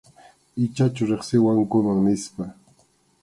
Ichachu riqsiwankuman nispa.